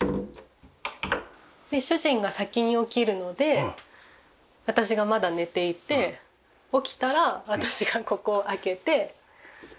で主人が先に起きるので私がまだ寝ていて起きたら私がここを開けて。